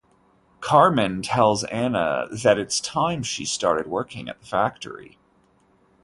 Carmen tells Ana that it's time she started working at the factory.